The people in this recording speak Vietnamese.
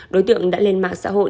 đối tượng đã lên mạng xã hội